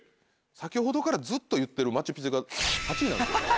先ほどからずっと言ってるマチュ・ピチュが８位なんですよ。